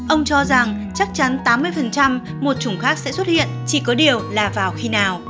ông cho rằng chắc chắn tám mươi một chủng khác sẽ xuất hiện chỉ có điều là vào khi nào